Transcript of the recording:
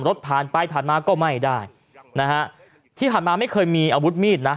รถผ่านไปถัดมาก็ไม่ได้ที่ถัดมาไม่เคยมีอาวุธมีดนะ